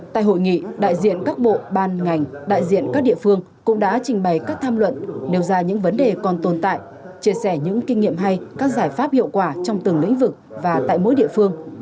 tại hội nghị đại diện các bộ ban ngành đại diện các địa phương cũng đã trình bày các tham luận nêu ra những vấn đề còn tồn tại chia sẻ những kinh nghiệm hay các giải pháp hiệu quả trong từng lĩnh vực và tại mỗi địa phương